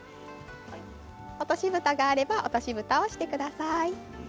落としぶたがあれば落としぶたをしてください。